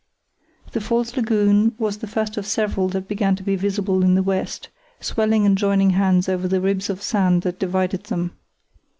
The false lagoon was the first of several that began to be visible in the west, swelling and joining hands over the ribs of sand that divided them.